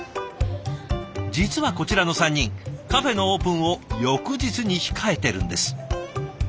実はこちらの３人カフェのオープンを翌日に控えてるんです。